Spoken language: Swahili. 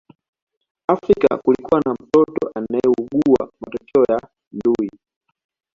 Afrika kulikuwa na mtoto aliyeugua matokeo ya ndui